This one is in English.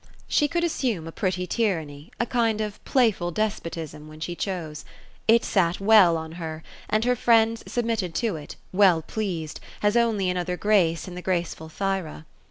She could assume a pretty tyranny — a kind of playful despotism, when she chose. It sat well on her ; and her friends sub mitted to it, — well pleased, — as only another grace, in the graceful Thyra.